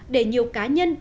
để nhiều cá nhân đơn vị